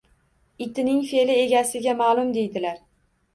Itining fe’li egasiga ma’lum, deydilar.